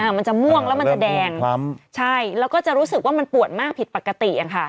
มันจะม่วงแล้วมันจะแดงใช่แล้วก็จะรู้สึกว่ามันปวดมากผิดปกติ